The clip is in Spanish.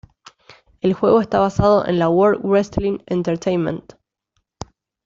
El juego está basado en la World Wrestling Entertainment.